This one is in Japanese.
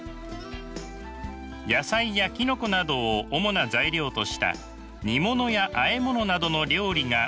野菜やきのこなどを主な材料とした煮物やあえ物などの料理が副菜です。